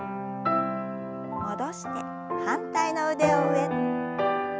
戻して反対の腕を上。